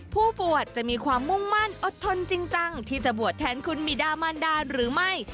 ผู้บวชจะมีความมุ่งมั่นอดทนจริงจังที่จะบวชแทนคุณบิดามันดาหรือไม่